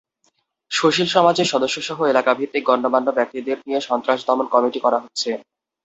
সুশীল সমাজের সদস্যসহ এলাকাভিত্তিক গণ্যমান্য ব্যক্তিদের নিয়ে সন্ত্রাস দমন কমিটি করা হচ্ছে।